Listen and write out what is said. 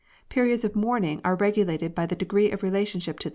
Periods of mourning are regulated by the degrees of relationship to.